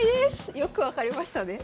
よく分かりましたね。